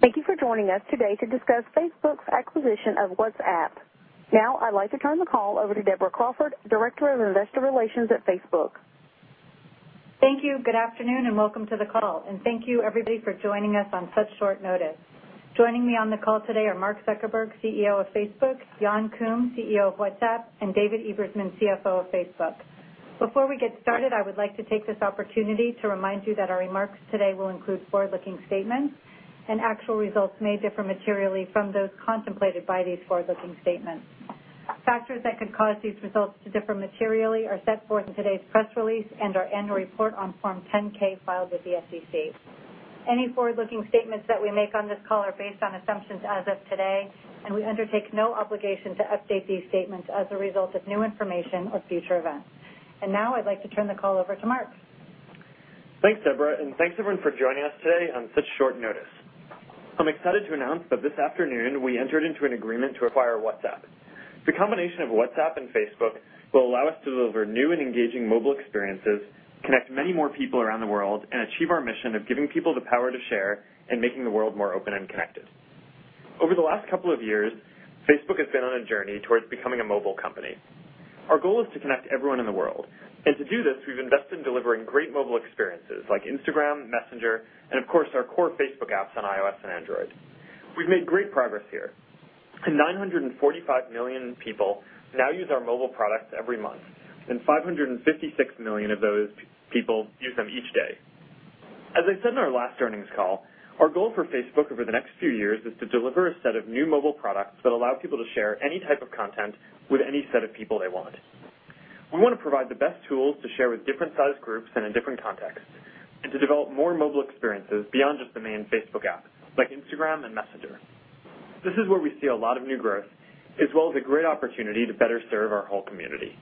Thank you for joining us today to discuss Facebook's acquisition of WhatsApp. Now I'd like to turn the call over to Deborah Crawford, Director of Investor Relations at Facebook. Thank you. Good afternoon, and welcome to the call, and thank you everybody for joining us on such short notice. Joining me on the call today are Mark Zuckerberg, CEO of Facebook, Jan Koum, CEO of WhatsApp, and David Ebersman, CFO of Facebook. Before we get started, I would like to take this opportunity to remind you that our remarks today will include forward-looking statements, and actual results may differ materially from those contemplated by these forward-looking statements. Factors that could cause these results to differ materially are set forth in today's press release and our annual report on Form 10-K filed with the SEC. Any forward-looking statements that we make on this call are based on assumptions as of today, and we undertake no obligation to update these statements as a result of new information or future events. Now I'd like to turn the call over to Mark. Thanks, Deborah, and thanks, everyone, for joining us today on such short notice. I'm excited to announce that this afternoon we entered into an agreement to acquire WhatsApp. The combination of WhatsApp and Facebook will allow us to deliver new and engaging mobile experiences, connect many more people around the world, and achieve our mission of giving people the power to share and making the world more open and connected. Over the last couple of years, Facebook has been on a journey towards becoming a mobile company. Our goal is to connect everyone in the world, and to do this, we've invested in delivering great mobile experiences like Instagram, Messenger, and of course, our core Facebook apps on iOS and Android. We've made great progress here. 945 million people now use our mobile products every month, and 556 million of those people use them each day. As I said in our last earnings call, our goal for Facebook over the next few years is to deliver a set of new mobile products that allow people to share any type of content with any set of people they want. We want to provide the best tools to share with different sized groups and in different contexts, and to develop more mobile experiences beyond just the main Facebook app, like Instagram and Messenger. This is where we see a lot of new growth, as well as a great opportunity to better serve our whole community.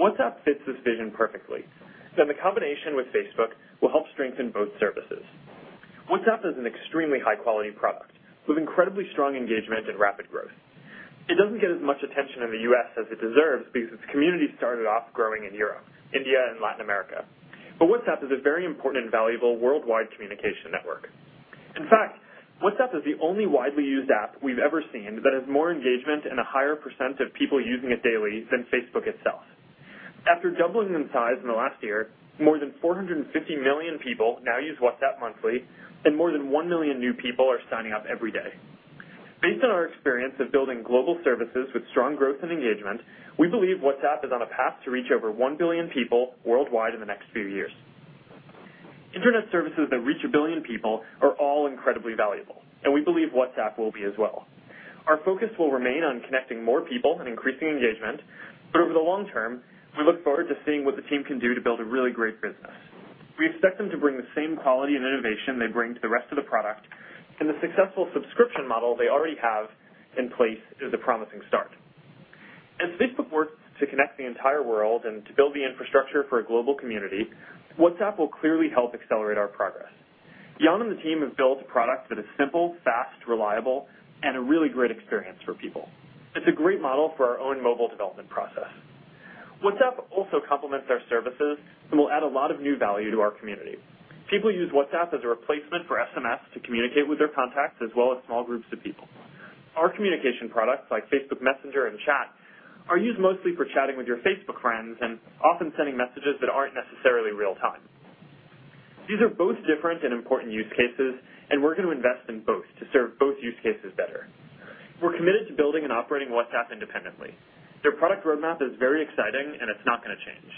WhatsApp fits this vision perfectly, and the combination with Facebook will help strengthen both services. WhatsApp is an extremely high-quality product with incredibly strong engagement and rapid growth. It doesn't get as much attention in the U.S. as it deserves because its community started off growing in Europe, India, and Latin America. WhatsApp is a very important and valuable worldwide communication network. In fact, WhatsApp is the only widely used app we've ever seen that has more engagement and a higher percent of people using it daily than Facebook itself. After doubling in size in the last year, more than 450 million people now use WhatsApp monthly, and more than 1 million new people are signing up every day. Based on our experience of building global services with strong growth and engagement, we believe WhatsApp is on a path to reach over 1 billion people worldwide in the next few years. Internet services that reach 1 billion people are all incredibly valuable, and we believe WhatsApp will be as well. Our focus will remain on connecting more people and increasing engagement. Over the long term, we look forward to seeing what the team can do to build a really great business. We expect them to bring the same quality and innovation they bring to the rest of the product. The successful subscription model they already have in place is a promising start. As Facebook works to connect the entire world and to build the infrastructure for a global community, WhatsApp will clearly help accelerate our progress. Jan and the team have built a product that is simple, fast, reliable, and a really great experience for people. It's a great model for our own mobile development process. WhatsApp also complements our services and will add a lot of new value to our community. People use WhatsApp as a replacement for SMS to communicate with their contacts as well as small groups of people. Our communication products, like Facebook Messenger and Chat, are used mostly for chatting with your Facebook friends and often sending messages that aren't necessarily real time. These are both different and important use cases. We're going to invest in both to serve both use cases better. We're committed to building and operating WhatsApp independently. Their product roadmap is very exciting. It's not going to change.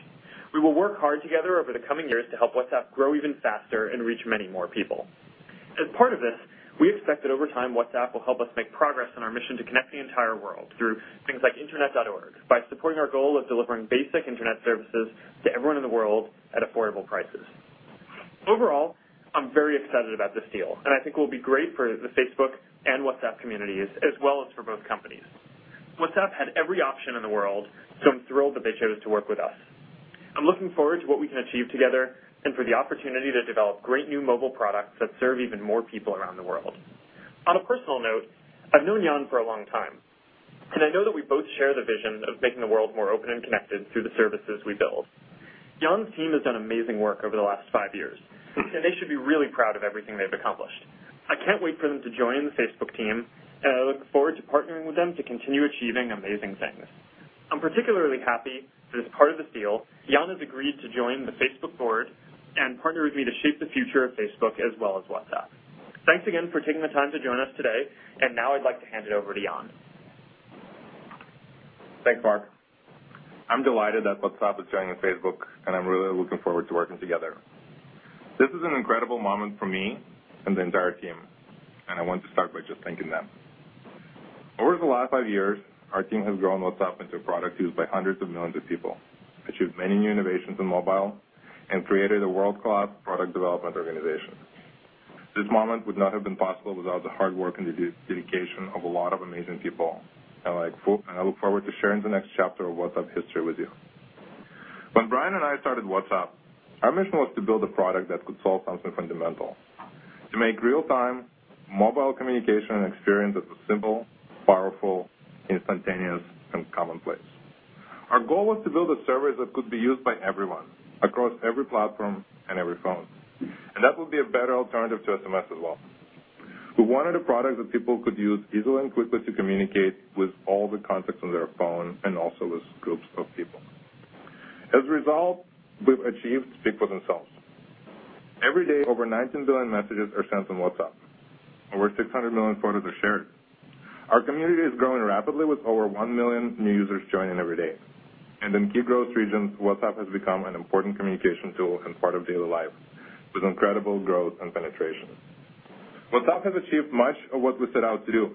We will work hard together over the coming years to help WhatsApp grow even faster and reach many more people. As part of this, we expect that over time, WhatsApp will help us make progress on our mission to connect the entire world through things like internet.org by supporting our goal of delivering basic internet services to everyone in the world at affordable prices. Overall, I'm very excited about this deal. I think it will be great for the Facebook and WhatsApp communities, as well as for both companies. WhatsApp had every option in the world. I'm thrilled that they chose to work with us. I'm looking forward to what we can achieve together and for the opportunity to develop great new mobile products that serve even more people around the world. On a personal note, I've known Jan for a long time. I know that we both share the vision of making the world more open and connected through the services we build. Jan's team has done amazing work over the last five years, and they should be really proud of everything they've accomplished. I can't wait for them to join the Facebook team, and I look forward to partnering with them to continue achieving amazing things. I'm particularly happy that as part of the deal, Jan has agreed to join the Facebook board and partner with me to shape the future of Facebook as well as WhatsApp. Thanks again for taking the time to join us today. Now I'd like to hand it over to Jan. Thanks, Mark. I'm delighted that WhatsApp is joining Facebook, and I'm really looking forward to working together. This is an incredible moment for me and the entire team, and I want to start by just thanking them. Over the last five years, our team has grown WhatsApp into a product used by hundreds of millions of people, achieved many new innovations in mobile, and created a world-class product development organization. This moment would not have been possible without the hard work and dedication of a lot of amazing people, and I look forward to sharing the next chapter of WhatsApp history with you. When Brian and I started WhatsApp, our mission was to build a product that could solve something fundamental, to make real-time mobile communication and experience that was simple, powerful, instantaneous, and commonplace. Our goal was to build a service that could be used by everyone across every platform and every phone, and that would be a better alternative to SMS as well. We wanted a product that people could use easily and quickly to communicate with all the contacts on their phone, and also with groups of people. As a result, we've achieved speak for themselves. Every day, over 19 billion messages are sent on WhatsApp. Over 600 million photos are shared. Our community is growing rapidly with over 1 million new users joining every day. In key growth regions, WhatsApp has become an an important communication tool and part of daily life with incredible growth and penetration. WhatsApp has achieved much of what we set out to do.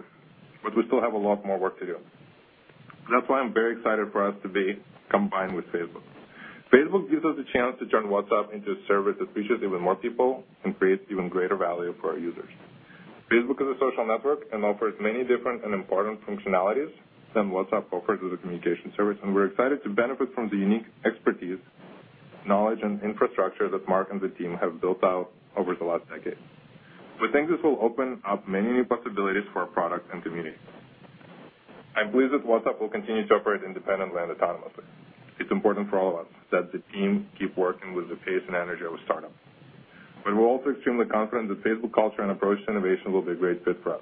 We still have a lot more work to do. That's why I'm very excited for us to be combined with Facebook. Facebook gives us a chance to turn WhatsApp into a service that reaches even more people and creates even greater value for our users. Facebook is a social network and offers many different and important functionalities than WhatsApp offers as a communication service, and we're excited to benefit from the unique expertise, knowledge, and infrastructure that Mark and the team have built out over the last decade. We think this will open up many new possibilities for our product and community. I believe that WhatsApp will continue to operate independently and autonomously. It's important for all of us that the team keep working with the pace and energy of a startup. We're also extremely confident that Facebook culture and approach to innovation will be a great fit for us.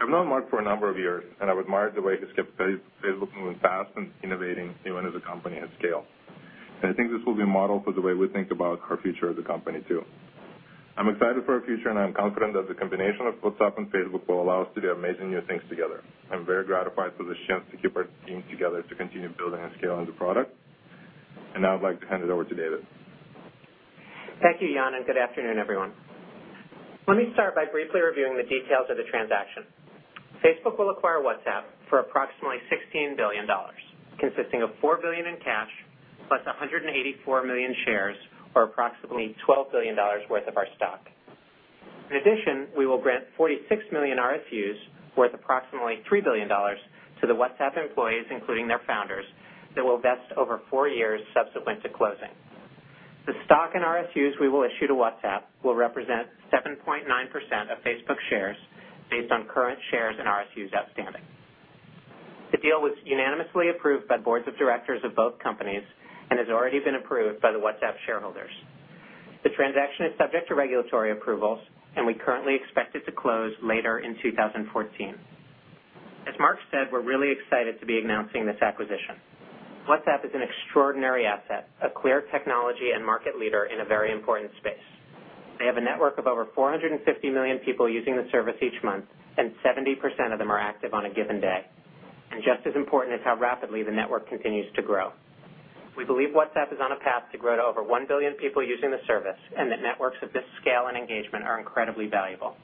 I've known Mark for a number of years. I've admired the way he's kept Facebook moving fast and innovating even as a company at scale. I think this will be a model for the way we think about our future as a company, too. I'm excited for our future, and I'm confident that the combination of WhatsApp and Facebook will allow us to do amazing new things together. I'm very gratified for this chance to keep our team together to continue building and scaling the product. Now I'd like to hand it over to David. Thank you, Jan, and good afternoon, everyone. Let me start by briefly reviewing the details of the transaction. Facebook will acquire WhatsApp for approximately $16 billion, consisting of $4 billion in cash plus 184 million shares, or approximately $12 billion worth of our stock. In addition, we will grant 46 million RSUs worth approximately $3 billion to the WhatsApp employees, including their founders, that will vest over four years subsequent to closing. The stock and RSUs we will issue to WhatsApp will represent 7.9% of Facebook shares based on current shares and RSUs outstanding. The deal was unanimously approved by boards of directors of both companies and has already been approved by the WhatsApp shareholders. The transaction is subject to regulatory approvals. We currently expect it to close later in 2014. As Mark said, we're really excited to be announcing this acquisition. WhatsApp is an extraordinary asset, a clear technology and market leader in a very important space. They have a network of over 450 million people using the service each month, and 70% of them are active on a given day. Just as important is how rapidly the network continues to grow. We believe WhatsApp is on a path to grow to over 1 billion people using the service, and that networks of this scale and engagement are incredibly valuable.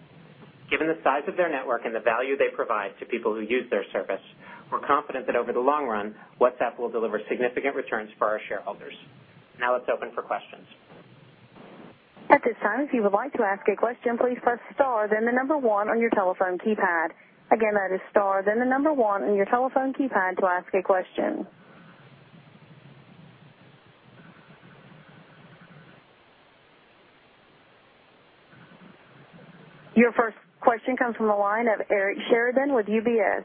Given the size of their network and the value they provide to people who use their service, we're confident that over the long run, WhatsApp will deliver significant returns for our shareholders. Let's open for questions. At this time, if you would like to ask a question, please press star then the number one on your telephone keypad. Again, that is star then the number one on your telephone keypad to ask a question. Your first question comes from the line of Eric Sheridan with UBS.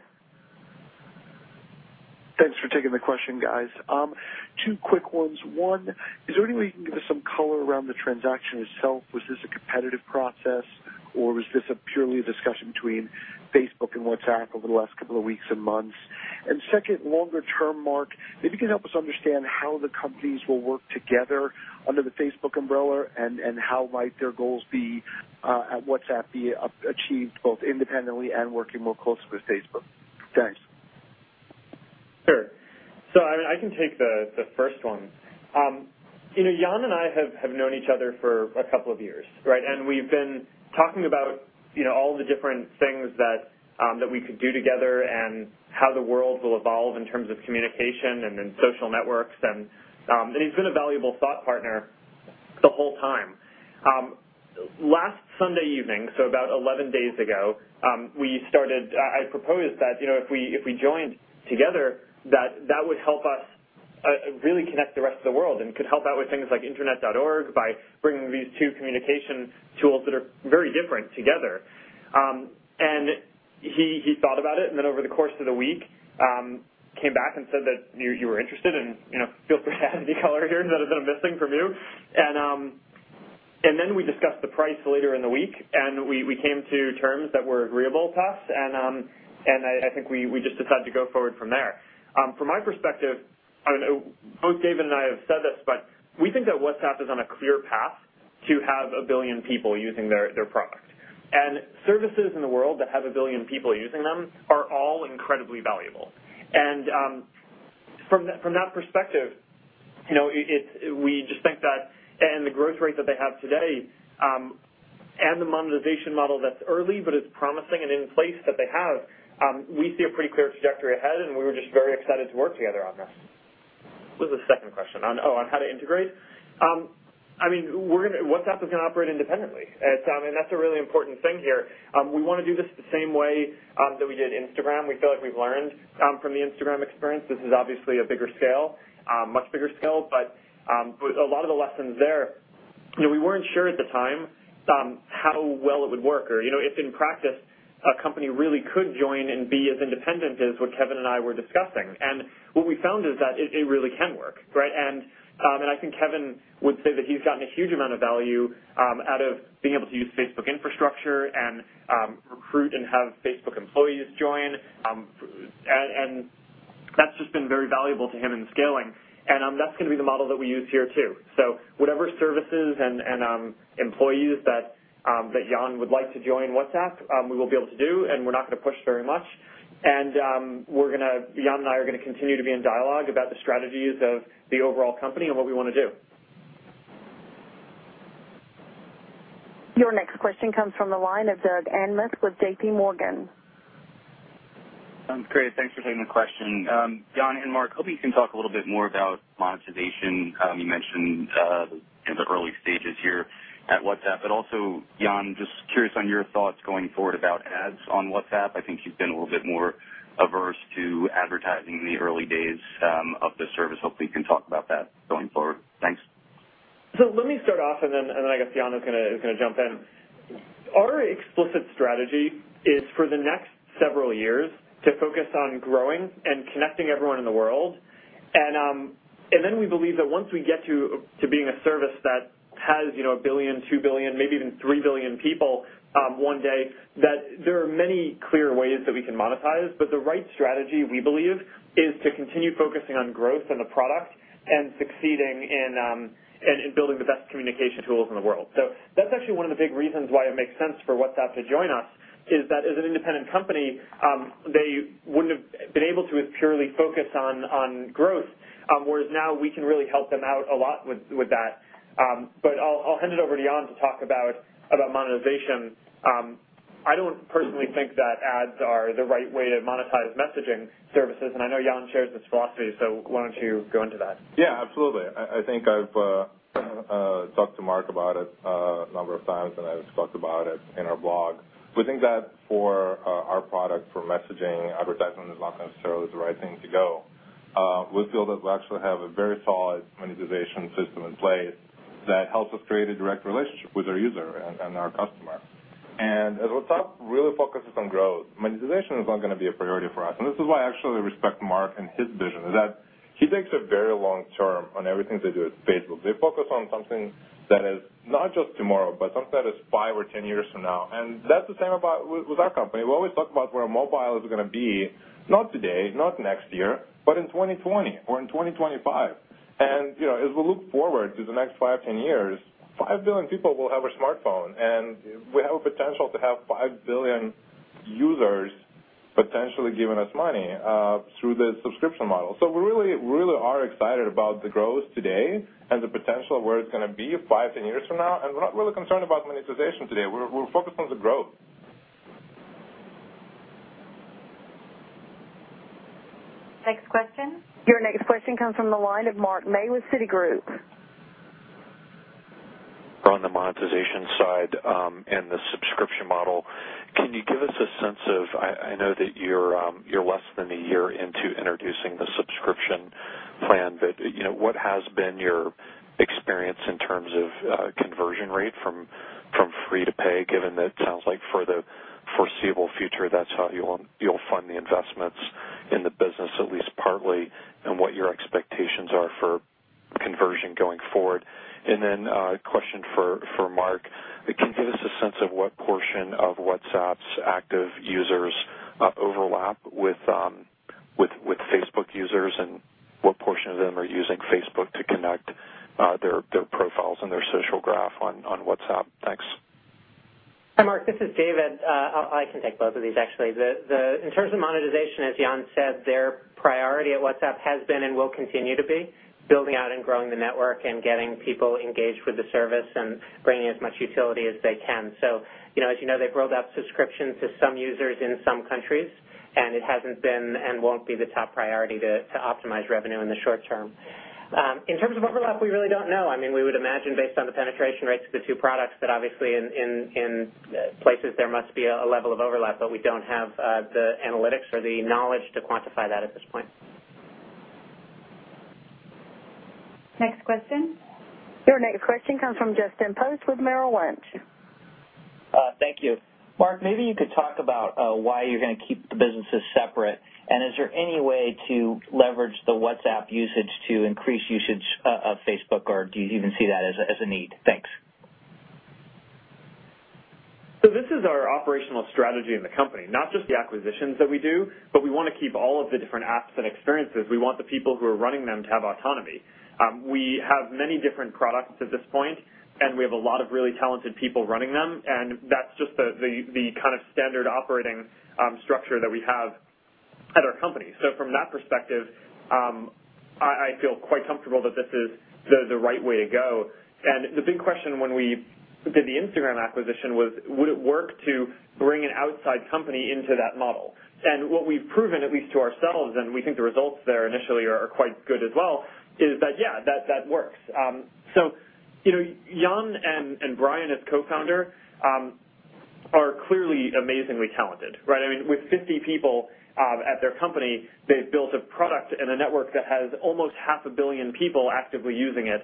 Thanks for taking the question, guys. Two quick ones. One, is there any way you can give us some color around the transaction itself? Was this a competitive process, or was this a purely discussion between Facebook and WhatsApp over the last couple of weeks and months? Second, longer term, Mark, maybe you can help us understand how the companies will work together under the Facebook umbrella, and how might their goals be at WhatsApp be achieved both independently and working more closely with Facebook. Thanks. Sure. I can take the first one. Jan and I have known each other for a couple of years, right? We've been talking about all the different things that we could do together and how the world will evolve in terms of communication and in social networks, and he's been a valuable thought partner the whole time. Last Sunday evening, so about 11 days ago, I proposed that if we joined together, that that would help us really connect the rest of the world and could help out with things like internet.org by bringing these two communication tools that are very different together. He thought about it, over the course of the week, came back and said that you were interested, and feel free to add any color here that I've been missing from you. We discussed the price later in the week, and we came to terms that were agreeable to us, and I think we just decided to go forward from there. From my perspective, both David and I have said this, but we think that WhatsApp is on a clear path to have 1 billion people using their product. Services in the world that have 1 billion people using them are all incredibly valuable. From that perspective, we just think that, and the growth rate that they have today, and the monetization model that's early but is promising and in place that they have, we see a pretty clear trajectory ahead, and we were just very excited to work together on this. What was the second question? Oh, on how to integrate? WhatsApp is going to operate independently. That's a really important thing here. We want to do this the same way that we did Instagram. We feel like we've learned from the Instagram experience. This is obviously a bigger scale, much bigger scale, but a lot of the lessons there. We weren't sure at the time how well it would work or if in practice, a company really could join and be as independent as what Kevin and I were discussing. What we found is that it really can work. I think Kevin would say that he's gotten a huge amount of value out of being able to use Facebook infrastructure and recruit and have Facebook employees join. That's just been very valuable to him in scaling. That's going to be the model that we use here, too. Whatever services and employees that Jan would like to join WhatsApp, we will be able to do, and we're not going to push very much. Jan and I are going to continue to be in dialogue about the strategies of the overall company and what we want to do. Your next question comes from the line of Doug Anmuth with JPMorgan. Great. Thanks for taking the question. Jan and Mark, hoping you can talk a little bit more about monetization. You mentioned in the early stages here at WhatsApp, but also Jan, just curious on your thoughts going forward about ads on WhatsApp. I think you've been a little bit more averse to advertising in the early days of the service. Hopefully, you can talk about that going forward. Thanks. Let me start off, and then I guess Jan is going to jump in. Our explicit strategy is for the next several years to focus on growing and connecting everyone in the world. We believe that once we get to being a service that has 1 billion, 2 billion, maybe even 3 billion people one day, that there are many clear ways that we can monetize. The right strategy, we believe, is to continue focusing on growth in the product and succeeding in building the best communication tools in the world. That's actually one of the big reasons why it makes sense for WhatsApp to join us is that as an independent company, they wouldn't have been able to as purely focus on growth, whereas now we can really help them out a lot with that. I'll hand it over to Jan to talk about monetization. I don't personally think that ads are the right way to monetize messaging services, and I know Jan shares this philosophy, why don't you go into that? Yeah, absolutely. I think I've talked to Mark about it a number of times, and I've talked about it in our blog. We think that for our product, for messaging, advertisement is not necessarily the right thing to go. We feel that we actually have a very solid monetization system in place that helps us create a direct relationship with our user and our customer. As WhatsApp really focuses on growth, monetization is not going to be a priority for us. This is why I actually respect Mark and his vision is that he thinks of very long-term on everything to do with Facebook. They focus on something that is not just tomorrow, but something that is five or 10 years from now. That's the same with our company. We always talk about where mobile is going to be, not today, not next year, but in 2020 or in 2025. As we look forward to the next five, 10 years, five billion people will have a smartphone, and we have a potential to have 5 billion users potentially giving us money through the subscription model. We really are excited about the growth today and the potential of where it's going to be five, 10 years from now, and we're not really concerned about monetization today. We're focused on the growth. Next question. Your next question comes from the line of Mark May with Citigroup. On the monetization side and the subscription model, can you give us a sense of, I know that you're less than a year into introducing the subscription plan, but what has been your experience in terms of conversion rate from free to pay, given that it sounds like for the foreseeable future, that's how you'll fund the investments in the business, at least partly, and what your expectations are for conversion going forward? A question for Mark. Can you give us a sense of what portion of WhatsApp's active users overlap with Facebook users, and what portion of them are using Facebook to connect their profiles and their social graph on WhatsApp? Thanks. Hi, Mark, this is David. I can take both of these, actually. In terms of monetization, as Jan said, their priority at WhatsApp has been and will continue to be building out and growing the network and getting people engaged with the service and bringing as much utility as they can. As you know, they've rolled out subscriptions to some users in some countries, and it hasn't been and won't be the top priority to optimize revenue in the short term. In terms of overlap, we really don't know. We would imagine based on the penetration rates of the two products that obviously in places there must be a level of overlap, but we don't have the analytics or the knowledge to quantify that at this point. Next question. Your next question comes from Justin Post with Merrill Lynch. Thank you. Mark, maybe you could talk about why you're going to keep the businesses separate. Is there any way to leverage the WhatsApp usage to increase usage of Facebook, or do you even see that as a need? Thanks. This is our operational strategy in the company, not just the acquisitions that we do, but we want to keep all of the different apps and experiences. We want the people who are running them to have autonomy. We have many different products at this point, and we have a lot of really talented people running them, and that's just the kind of standard operating structure that we have at our company. From that perspective, I feel quite comfortable that this is the right way to go. The big question when we did the Instagram acquisition was, would it work to bring an outside company into that model? What we've proven, at least to ourselves, and we think the results there initially are quite good as well, is that, yeah, that works. Jan and Brian, clearly amazingly talented, right? I mean, with 50 people at their company, they've built a product and a network that has almost half a billion people actively using it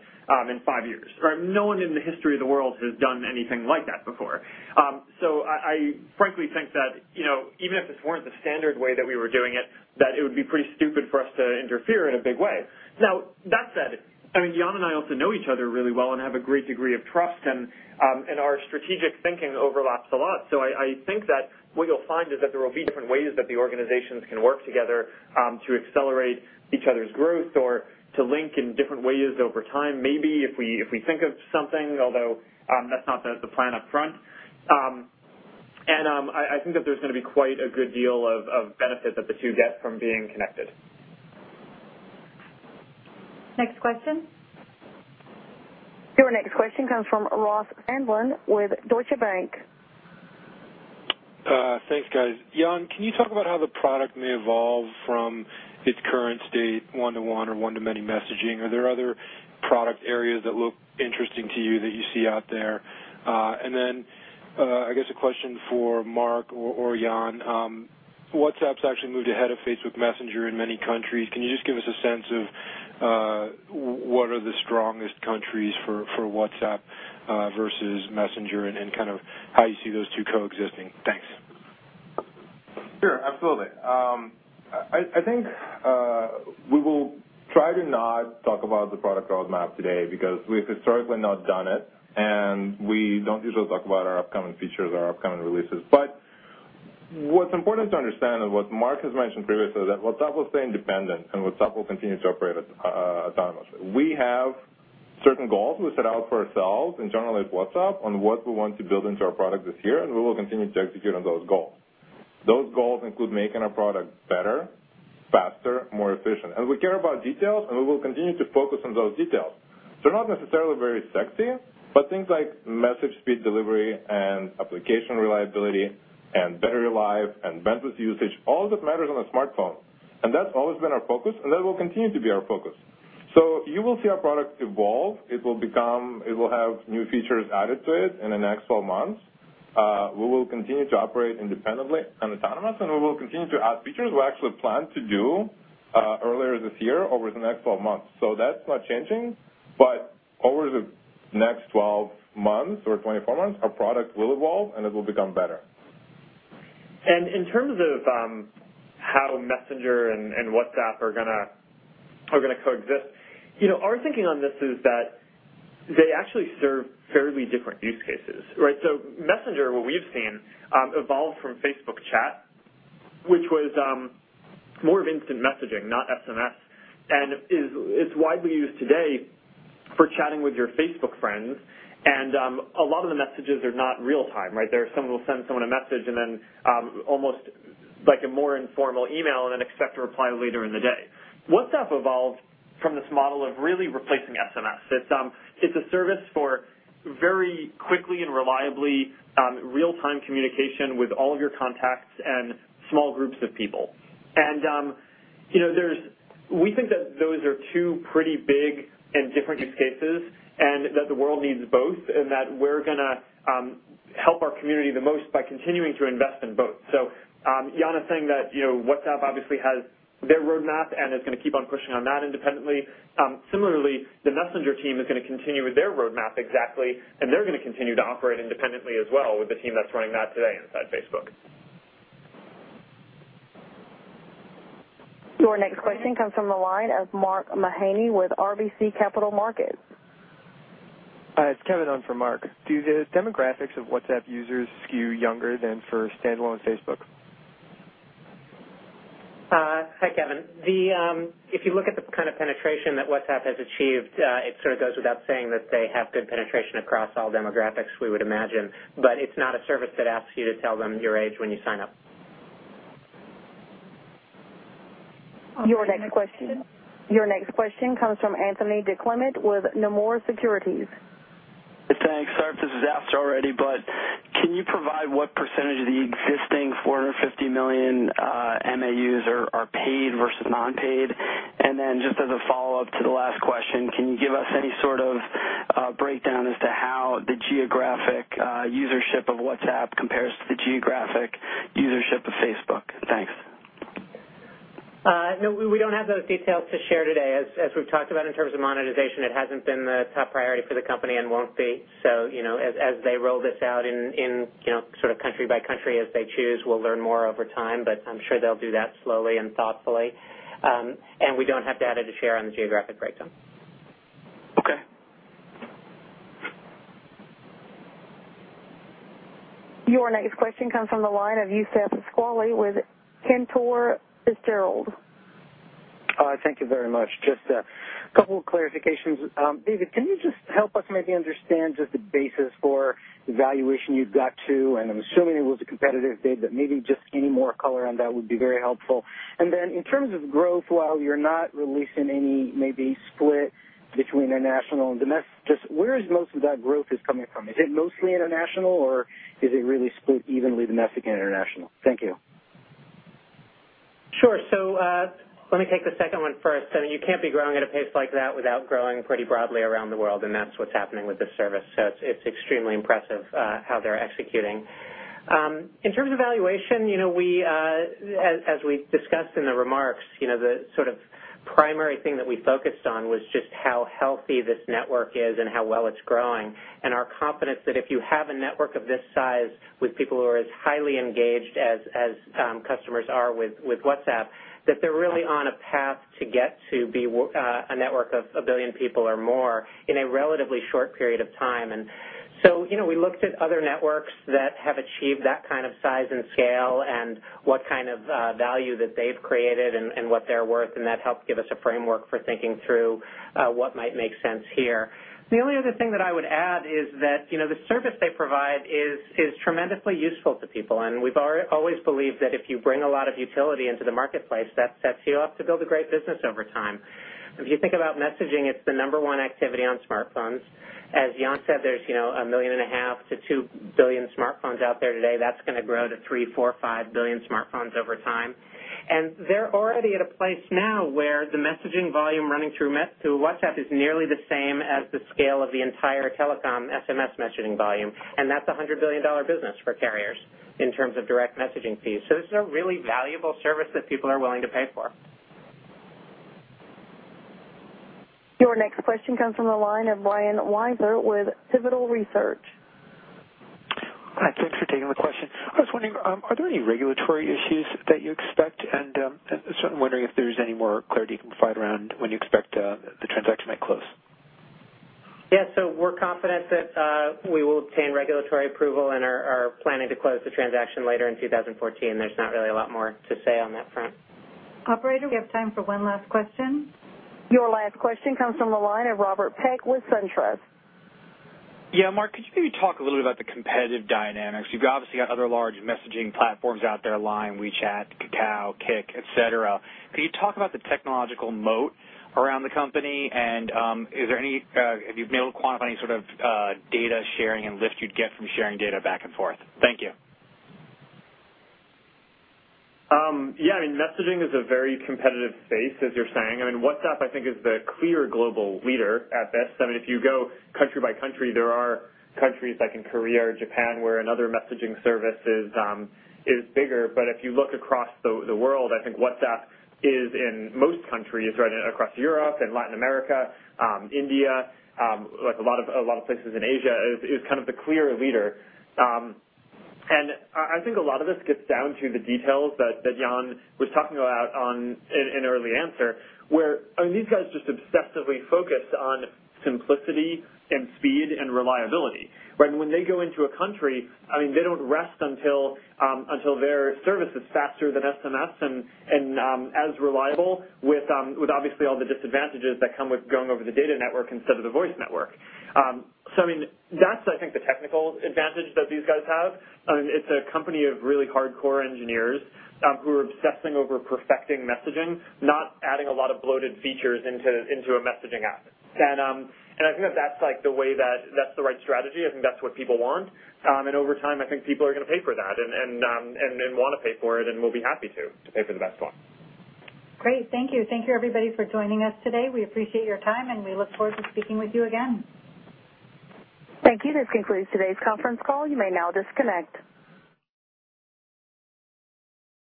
in five years. No one in the history of the world has done anything like that before. I frankly think that even if this weren't the standard way that we were doing it, that it would be pretty stupid for us to interfere in a big way. Now, that said, Jan and I also know each other really well and have a great degree of trust, and our strategic thinking overlaps a lot. I think that what you'll find is that there will be different ways that the organizations can work together to accelerate each other's growth or to link in different ways over time. Maybe if we think of something, although that's not the plan upfront. I think that there's going to be quite a good deal of benefit that the two get from being connected. Next question. Your next question comes from Ross Sandler with Deutsche Bank. Thanks, guys. Jan, can you talk about how the product may evolve from its current state, one-to-one or one-to-many messaging? Are there other product areas that look interesting to you that you see out there? I guess a question for Mark or Jan. WhatsApp's actually moved ahead of Facebook Messenger in many countries. Can you just give us a sense of what are the strongest countries for WhatsApp versus Messenger and how you see those two coexisting? Thanks. Sure. Absolutely. I think we will try to not talk about the product roadmap today because we've historically not done it, and we don't usually talk about our upcoming features or our upcoming releases. What's important to understand, and what Mark has mentioned previously, that WhatsApp will stay independent, and WhatsApp will continue to operate autonomously. We have certain goals we set out for ourselves internally at WhatsApp on what we want to build into our product this year, and we will continue to execute on those goals. Those goals include making our product better, faster, more efficient. We care about details, and we will continue to focus on those details. They're not necessarily very sexy, but things like message speed delivery and application reliability and battery life and bandwidth usage, all of it matters on a smartphone. That's always been our focus, and that will continue to be our focus. You will see our product evolve. It will have new features added to it in the next 12 months. We will continue to operate independently and autonomously, and we will continue to add features. We actually plan to do earlier this year over the next 12 months. That's not changing. Over the next 12 months or 24 months, our product will evolve, and it will become better. In terms of how Messenger and WhatsApp are going to coexist. Our thinking on this is that they actually serve fairly different use cases, right? Messenger, what we've seen, evolved from Facebook Chat, which was more of instant messaging, not SMS, and it's widely used today for chatting with your Facebook friends. A lot of the messages are not real time, right? Someone will send someone a message and then almost like a more informal email and then expect a reply later in the day. WhatsApp evolved from this model of really replacing SMS. It's a service for very quickly and reliably real-time communication with all of your contacts and small groups of people. We think that those are two pretty big and different use cases, and that the world needs both, and that we're going to help our community the most by continuing to invest in both. Jan is saying that WhatsApp obviously has their roadmap and is going to keep on pushing on that independently. Similarly, the Messenger team is going to continue with their roadmap exactly, and they're going to continue to operate independently as well with the team that's running that today inside Facebook. Your next question comes from the line of Mark Mahaney with RBC Capital Markets. It's Kevin on for Mark. Do the demographics of WhatsApp users skew younger than for standalone Facebook? Hi, Kevin. If you look at the kind of penetration that WhatsApp has achieved, it sort of goes without saying that they have good penetration across all demographics, we would imagine. It's not a service that asks you to tell them your age when you sign up. Your next question comes from Anthony DiClemente with Nomura Securities. Thanks. Sorry if this is after already, can you provide what percentage of the existing 450 million MAUs are paid versus non-paid? Just as a follow-up to the last question, can you give us any sort of breakdown as to how the geographic usership of WhatsApp compares to the geographic usership of Facebook? Thanks. No, we don't have those details to share today. As we've talked about in terms of monetization, it hasn't been the top priority for the company and won't be. As they roll this out in sort of country by country as they choose, we'll learn more over time, I'm sure they'll do that slowly and thoughtfully. We don't have data to share on the geographic breakdown. Okay. Your next question comes from the line of Youssef Squali with Cantor Fitzgerald. Thank you very much. Just a couple of clarifications. David, can you just help us maybe understand just the basis for the valuation you've got to, I'm assuming it was a competitive bid, but maybe just any more color on that would be very helpful. In terms of growth, while you're not releasing any, maybe split between international and domestic, just where is most of that growth is coming from? Is it mostly international, or is it really split evenly domestic and international? Thank you. Sure. Let me take the second one first. You can't be growing at a pace like that without growing pretty broadly around the world, and that's what's happening with this service. It's extremely impressive how they're executing. In terms of valuation, as we discussed in the remarks, the primary thing that we focused on was just how healthy this network is and how well it's growing, and our confidence that if you have a network of this size with people who are as highly engaged as customers are with WhatsApp, that they're really on a path to get to be a network of 1 billion people or more in a relatively short period of time. We looked at other networks that have achieved that kind of size and scale and what kind of value that they've created and what they're worth, and that helped give us a framework for thinking through what might make sense here. The only other thing that I would add is that the service they provide is tremendously useful to people, and we've always believed that if you bring a lot of utility into the marketplace, that sets you up to build a great business over time. If you think about messaging, it's the number one activity on smartphones. As Jan said, there's 1.5 billion to 2 billion smartphones out there today. That's going to grow to 3 billion, 4 billion, 5 billion smartphones over time. They're already at a place now where the messaging volume running through WhatsApp is nearly the same as the scale of the entire telecom SMS messaging volume, and that's a $100 billion business for carriers in terms of direct messaging fees. This is a really valuable service that people are willing to pay for. Your next question comes from the line of Brian Wieser with Pivotal Research. Hi. Thanks for taking the question. I was wondering, are there any regulatory issues that you expect? Certainly wondering if there's any more clarity you can provide around when you expect the transaction might close. We're confident that we will obtain regulatory approval and are planning to close the transaction later in 2014. There's not really a lot more to say on that front. Operator, we have time for one last question. Your last question comes from the line of Robert Peck with SunTrust. Yeah. Mark, could you maybe talk a little bit about the competitive dynamics? You've obviously got other large messaging platforms out there, LINE, WeChat, KakaoTalk, Kik, et cetera. Can you talk about the technological moat around the company, and have you been able to quantify any sort of data sharing and lift you'd get from sharing data back and forth? Thank you. Yeah. Messaging is a very competitive space, as you're saying. WhatsApp, I think is the clear global leader at this. If you go country by country, there are countries like in Korea or Japan where another messaging service is bigger. If you look across the world, I think WhatsApp is in most countries, across Europe and Latin America, India, a lot of places in Asia, is kind of the clear leader. I think a lot of this gets down to the details that Jan was talking about in early answer, where these guys just obsessively focus on simplicity and speed and reliability. When they go into a country, they don't rest until their service is faster than SMS and as reliable with obviously all the disadvantages that come with going over the data network instead of the voice network. That's I think the technical advantage that these guys have. It's a company of really hardcore engineers who are obsessing over perfecting messaging, not adding a lot of bloated features into a messaging app. I think that's the right strategy. I think that's what people want. Over time, I think people are going to pay for that and want to pay for it and will be happy to pay for the best one. Great. Thank you. Thank you everybody for joining us today. We appreciate your time, and we look forward to speaking with you again. Thank you. This concludes today's conference call. You may now disconnect.